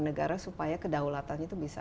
negara supaya kedaulatan itu bisa